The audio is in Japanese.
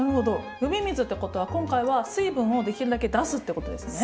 呼び水ってことは今回は水分をできるだけ出すってことですね。